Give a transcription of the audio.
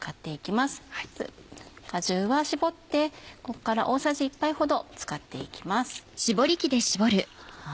まず果汁は搾ってここから大さじ１杯ほど使っていきます。